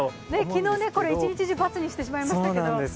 昨日、一日中×にしてしまいましたけど。